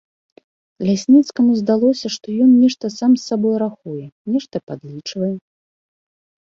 Лясніцкаму здалося, што ён нешта сам з сабой рахуе, нешта падлічвае.